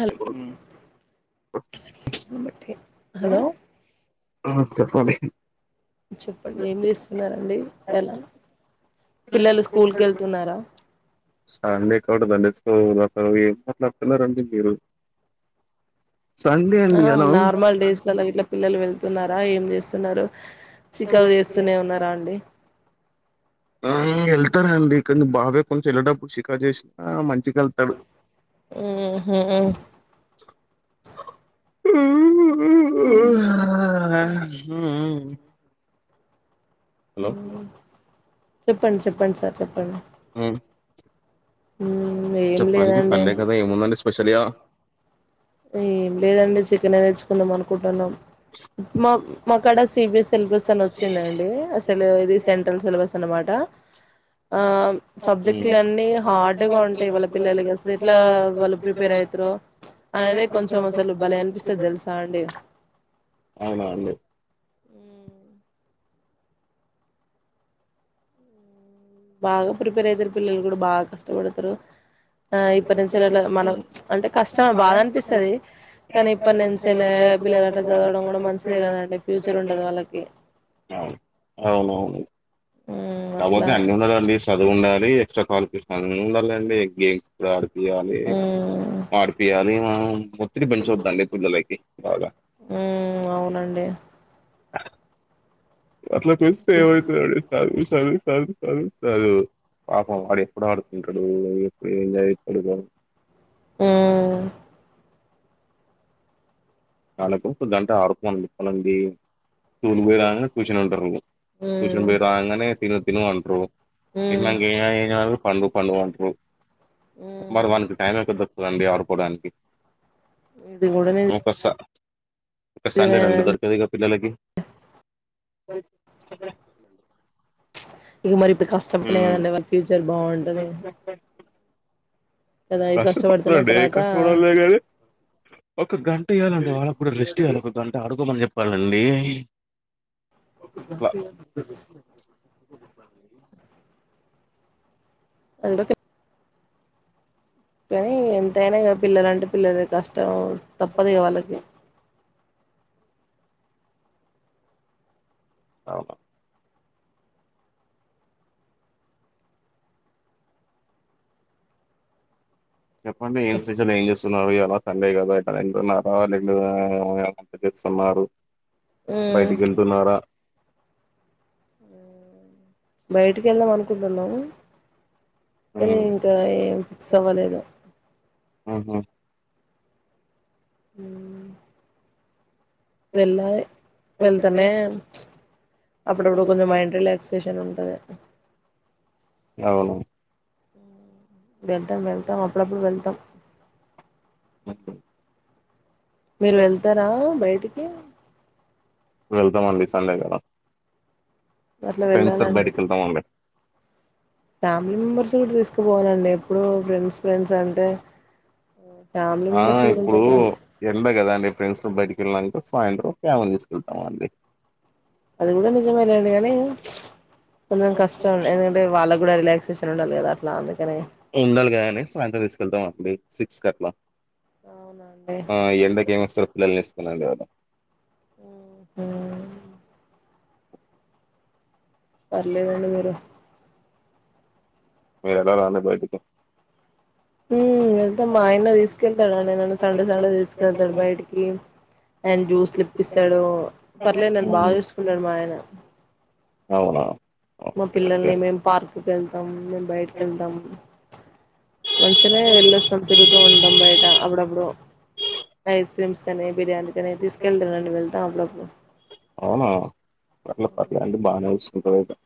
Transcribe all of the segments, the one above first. Hello hello చెప్పండీ చెప్పండి ఏం చేస్తున్న రండి ఎలా పిల్లలు స్కూల్కి వెళ్తున్నారా కావట్టే దండి స్కో అసలు ఏం మాట్లాడుతున్నారండి మీరు ఆ నార్మల్ డేస్ లా ఇట్లా పిల్లలు వెళ్తున్నారా ఏం చేస్తున్నారు చికకు చేస్తూనే ఉన్నారా అండి ఆ వెళ్తాండి కొంచె బాబే కొంచెం వెళ్ళటప్పుడు షికా చేసినా ఆ మంచి ఊహు ఆ ఊ ఊ చెప్పండి చెప్పండి సార్ చెప్పండి అ ఊ చెప్పండి సండే కదా ఏముందండి స్పెషల్గా ఏం లేదండి చికెన్ తెచ్చుకుందాం అనుకుంటున్నాం మా మాక్కడ సిబిఎస్ సిలబస్ అని వచ్చిందండి అసలు ఇది సెంట్రల్ సిలబస్ అనమాట ఆ సబ్జెక్ట్లు అన్నిీ హార్డ్గా ఉంటాయి వాళ్ళ పిల్లలకి అసలు ఎట్లా వాళ్ళు ప్రిపేర్ అవుతారు అనేదే కొంచెం అసలు భలే అనిపిస్తే తెలుసా అండి అవునా అండి బాగా పరిపరు అైతే పల్లలు కూడా బా కష్టం ూడుతరు ఆ ఇప్పటి నుంచిలా మన అంటే కష్టం బాధ అనిపిస్తుది కానీ ఇప్పటి నుంచి పిల్లలు అట్లా చదవడం కూడా మంచిదే కద అంటే ఫ్యూచర్ ఉండది వాళ్ళకి కాకపోతే అన్ని ఉన్నాడంండి చదువు ఉండాలి ఎక్స్ట్రా క్వాలిఫషన్ ఉండాలిండి గేమ్స్ కూడా పయాలి వాడిపియాలి మం ఒత్తిడి పెంచవద్దండి పిల్లలకి బాగా [inaudible] అట్ల చూస్తవ చదు చదు చదు చదు పాపం వాడు ఎప్పుడ ఆడుకుంటాడు ఏంతాడు హ్మ్మ్ నలకుపు గంటే ఆరుకో మందిప్పాలండి స్కూల్ పోయి రాగానే ట్యూషన్ ఉంటారు ట్యూషన్ పోయి రాగానే తిను తిను అంటరు తిన్నాక ఏ ఏం పండు పండు అంటరు మరి వానీకి టైం ఎక్కడ దొరుకుతుందండి ఆడుకోవడానికిస ఇకా సండే నడి దొరికంది ఇక పిల్లలకి సబ ఇక మరి కష్టపడితేనే కదండీ వాళ్ళ ఫ్యూచర్ కష్టపడండి కష్టపడాల కానీ ఒక గంట ఇయ్యాలండి వాళ్లకు కూడా రెస్ట్ ఇయ్యాలి ఒక గంట అడు ఇంకో మాట చెప్పాలండి ఓక ప్ర అ [inaudible] కానీ అంతయినా పిల్లల అంటే పిల్లల కష్టం తప్పదుగా వాళ్ళకి అవును చెప్పండి ఏం స్పెషల్ ఏం చేస్తున్నారు ఎలా సండే కదా క ఎన్నావాల స్తున్నారు బయటికి వెళ్తున్నారా కుబల కానీ ఇంకా ఏం ఫిక్స్ అవ్వలేదు ఆహ మ్మ్ వెళ్ళాలి వెళ్తేనే అప్పుడప్పుడు కొంచెం మైండ్ రిలాక్సేషన్ ఉన్ టది అవును వెళ్తాం వెళ్తాం అప్పుడప్పుడు వెళ్తాం మీరు వెళ్తారా బయ టికి వెళ్తాం అండి సండే కదా అట్లా వెళ్ళాలని ఫ్యామిలీ మెంబర్స్ కూడా తీసుకు కు పోవాలండి ఎప్పుడు ఫ్రెండ్స్ ఫ్రెండ్స్ అంటే ఆ ఇప్పుడు ఎండ కదా అండి ఫ్రెండ్స్ తో బయటికి కెళ్ళక సాయంత్రం ప్రేమం తీసుకెళ్తాం అండి అది కూడా నిజమేలేండి కానీ కొంచెం కష్టం ఎందుకంటే వాళ్ళకు కూడా రిలాక్సేషన్ ఉండాలి కదా అట్లా అందుకని ఉండాలిగా అని సాయంత్రం తీసుకెళ్తాం అప్పుడు సిక్స్ కట్లా ఆ ఎండకి ఏమిస్తారు పిల్లల్ని తీసుకెళ్ళాలి ఎవడ మ్మ్ హ్మ్ పర్లేదండి మీరు మీరు ఎల్లారా అండి బయటికి మ్మ్ వెళ్తా మా ఆయన తీసుకెళ్తాడు నేనన్న సండే సండే తీసుకెళ్తాడు బయటికి అండ్ జ్యూస్లిప్పిస్తాడు పర్లేదు నని బాగా చూసుకుంటాడు మా ఆయన మా పిల్లల్ని మేము పార్క్ కెళ్తాము వెళ్దాము మంచినే వెళ్ళొస్తాం తిరుగుతూ ఉంటాం బయట అప్పుడప్పుడు ఐస్ క్రీమ్స్ కానీ బిర్యానీ కానీ తీసుకెళ్తురాండి వెళ్తాం అప్పుడప్ అ అవునా పట్ల పట్ల అంటే బానే సు [unintelligible]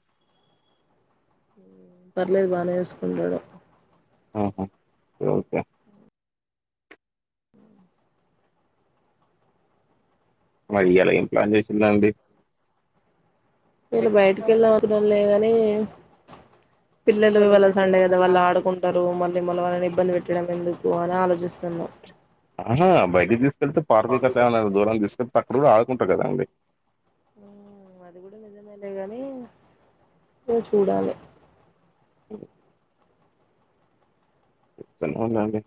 పర్లేదు బానే చూసుకుంటడు ఆ హా ఓకే మరియ్యాల ఏం ప్లాన్ చేసిండ్రండి మీరు బయటకెళ్ళే అవసరం లేదన్ మే పిల్లలు ఇవాళ సండే కదా వాళ్ళు ఆడుకుంటరు మళ్ళీ మన వాళ్ళని ఇబ్బంది పెట్టడం ఎందు పోన్ ఆలోచిస్ ఆహ బయటికి తీస్కెళ్తే పార్పి కట్టా దూరం తీస్కెళ్తే అక్కడ కూడా ఆ కుంట కదా అండి మ్ అది కూడా నిజమేలే గనీ ఇగ చూడాలె అ [unintelligible]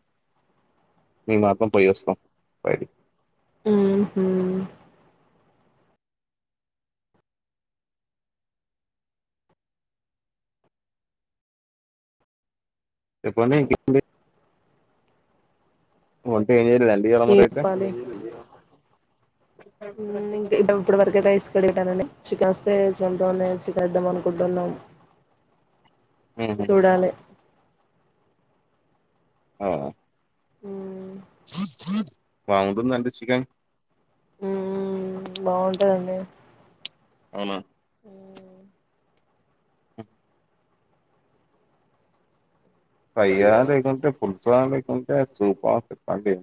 మేం మాత్రం పోయి వస్తాం బై మ్ హ్ చెప్పండి ఇంకేంటి వంట ఏం ఈ అప్పాలె ఇంకా ఇప్పుట్ వరకే రైస్ కడిగినండి చికెన్ వస్ స్తే [unintelligible] చికెన్ ఇద్దాం అనుకుంటున్నాం. చూడాలె ఆ మ్ బాగుంటుందండి చికెన్ మ్ బాగుంటదండి. అవునా ఫ్రైయా లేకుంటే ఫుల్ [unintelligible] లేకుంటే సుపా చెప్పండి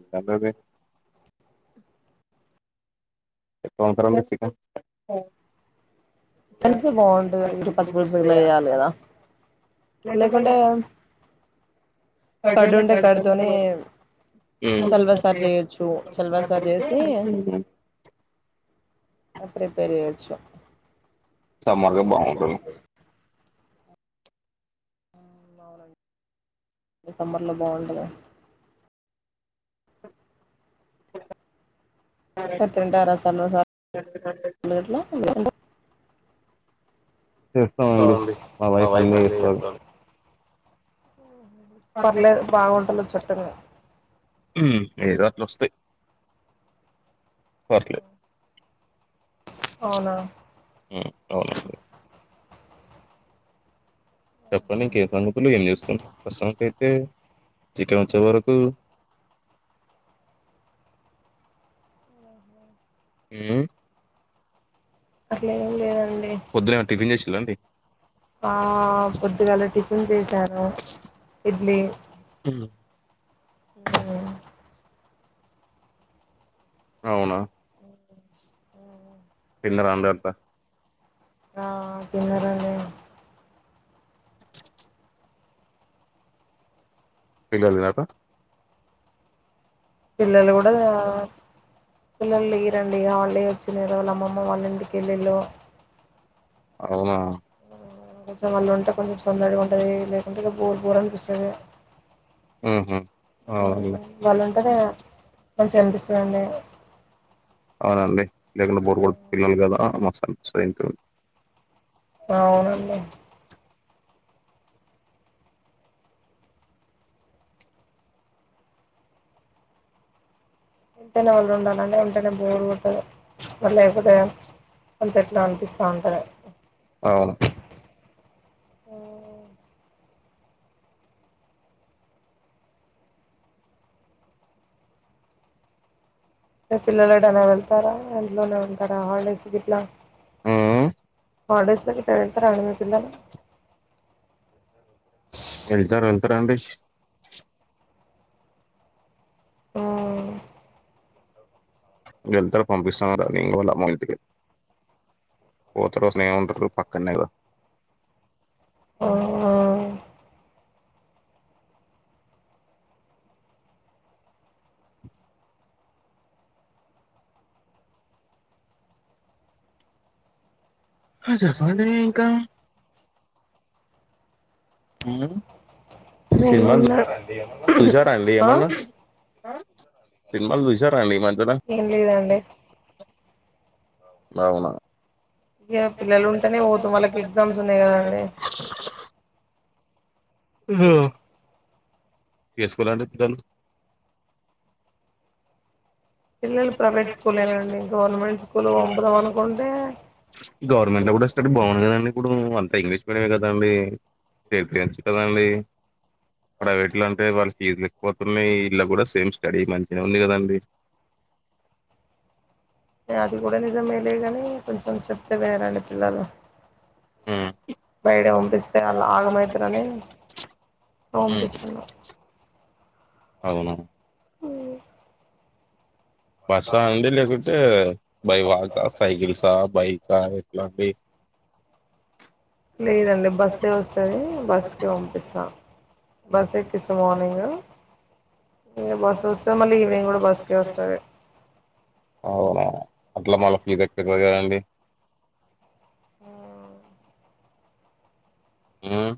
ఇప్పుడ్ అవసరమా చికెన్ హెల్త్ బాగుంటదండి పచ్చి పులుసు గిట్ల చేయాలి కదా లేకుంటే కడు ఉంటే కడుతోనీ చల్వసార్ చేయొచ్చు. చల్వసార్ చేసి అప్పుడే పెరుగేయచ్చు. సమ్మర్లో బాగుంటుం అవునం డిసెంబర్లో బాగుంటది తింటారా సమోసా [unintelligible] చేస్తామండి మా వైఫ్ అన్నీ చేస్తాది. పర్లేదు బాగా వంటలు వచ్చా [unintelligible] ఏదో అట్ల వొస్తయి పర్లే అవునండి. చెప్పండి ఇంకేం ఏం సంగతులు ఏం చేస్తున్నార్ ప్రస్తుతానికయి కీ చికెన్ వచ్చేవరకు మ్ అట్లా ఏం లేదం పొద్దున ఏం అన టిఫిన్ ఆండీ ఆ పొద్దుగాల టిఫిన్ చేసను ఇడ్లీ ఉ అవునా తిన్నరా అందరూ ఆ తిన్నారాడీ పిల్లలు పిల్లలు కూడా పిల్లలు ఈ రండి హాలిడే వచ్చినదో వాళ్ళు అమ్మమ్మ వాళ్ళ ఇంటికి వెళ్ళిళు అవునా వాళ్ళు ఉంటే కొంచెం సందడిగా ఉంటది లేకుంటే ఇక బోర్ బోర్ అనిపిస్తది వాళ్ళు ఉంటేనే మంచి అనిపిస్తుందిండి లేకుండా బోర్ పిల్లలు కదా మస్తు అనిపిస్తదీ అవునండి ఉంటేనే వాళ్ళు ఉండాలంటే ఉంటేనే బోరు ఉంటంది లేకపోతే వాళ్ళ ఎట్లా అనిపిస్తా ఉంటారు అ మీ పిల్లలుఎటైనా వెళ్తారా ఇంట్లోనే ఉంటారా హాలిడేస్కి ఇట్లా హాలిడేస్కి ఇలా వెళ్తారా అండి మీ పిల్లలు వెళ్తారు వెళ్తారండీ మ్మ్ వెళతడు పంపిస్తాం వాళ్ళ ఇంటికి పోతడ స్నేహం ఉంటారు పక్కనేద ఆ ఆ అ ఇంకా ఆ సినిమా చూసారండి ఈ మధ్య ఏం లేదండి అవునా ఇగ పిల్లలు ఉంటేనే పోత వాళ్ళకి ఎగ్జామ్స్ ఉన్నాయి కదాండి హ ఎ స్కూల్ అండి పిల్లలు గవర్నమెంట్ లో కూడా స్టడీ బాగుంది కదండి ఇప్పుడ్ ఇంగ్లీష్ మీడియం కదండి కదా అండి ప్రైవెట్లు అంటే వాళ్ళ ఫీజ్ లేకపోతున్నాయి ఇలా కూడా సేమ్ స్టడీ మంచిగనె ఉంది కదండి అది కూడా నిజమే లే కాని కొంచెం చెప్తే వినరండి పిల్లలు హ బయట పంపిస్తే అ ఆగమైతరని పంపిస్తున్నా అవునా బస్సా అండి లేకుంటే బై వాకా సైకిల్సా బైకా ఎట్లా బే లేదండి బస్సే వస్తది బస్కి పంపిస్తాం బస్ ఎక్కిస్త మార్నింగ్ అవునా అట్లా మల్ల ఫేజ్ ఎక్కువగద అండి హమ్